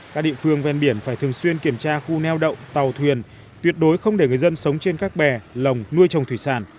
các địa phương ven biển phải thường xuyên kiểm tra khu neo đậu tàu thuyền tuyệt đối không để người dân sống trên các bè lồng nuôi trồng thủy sản